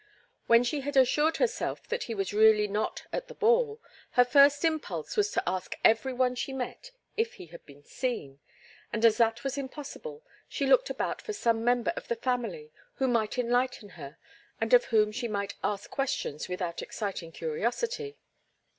When she had assured herself that he was really not at the ball, her first impulse was to ask every one she met if he had been seen, and as that was impossible, she looked about for some member of the family who might enlighten her and of whom she might ask questions without exciting curiosity.